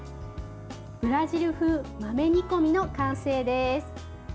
ブラジル風豆煮込みの完成です。